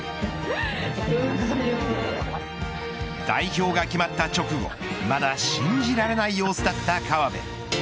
代表が決まった直後まだ信じられない様子だった河辺。